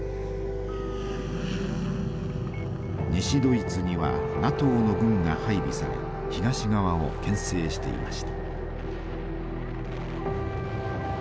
西ドイツにはＮＡＴＯの軍が配備され東側を牽制していました。